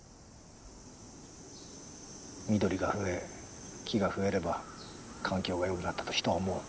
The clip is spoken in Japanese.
緑が増え木が増えれば環境がよくなったと人は思う。